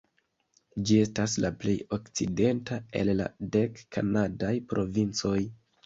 Ĝi estas la plej okcidenta el la dek kanadaj provincoj.